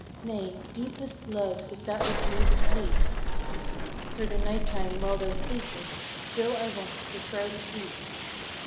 nay, deepest Love is that which loseth least: Through the night time while thou sleepest, Still I watch the shrouded east.